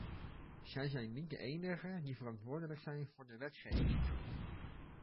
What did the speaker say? Zij zijn niet de enigen die verantwoordelijk zijn voor de wetgeving.